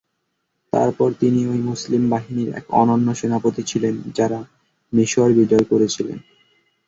তারপর তিনি ঐ মুসলিম বাহিনীর এক অনন্য সেনাপতি ছিলেন যাঁরা মিসর বিজয় করেছিলেন।